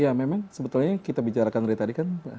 ya memang sebetulnya yang kita bicarakan dari tadi kan